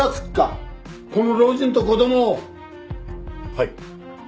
はい。